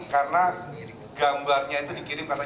karena gambarnya itu dikirim